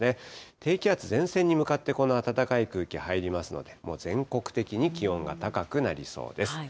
低気圧、前線に向かって、この暖かい空気入りますので、もう全国的に気温が高くなりそうです。